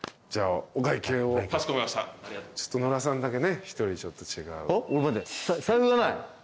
ちょっとノラさんだけね１人ちょっと違う。